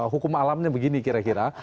hukum alamnya begini kira kira